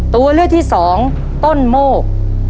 ตัวเลือกที่สองต้นโมก